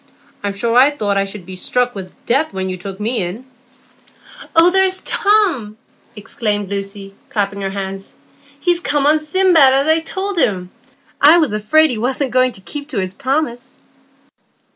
I'm sure I thought I should be struck with death when you took me in." "Oh, there is Tom!" exclaimed Lucy, clapping her hands. "He's come on Sindbad, as I told him. I was afraid he was not going to keep his promise."